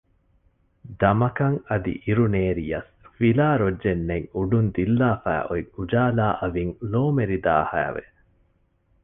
ދަމަކަށް އަދި އިރުނޭރިޔަސް ވިލާ ރޮއްޖެއް ނެތް އުޑުން ދިއްލާފައި އޮތް އުޖާލާ އަވިން ލޯމެރިދާހައި ވެ